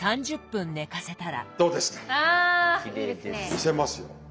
見せますよ。